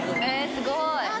すごい！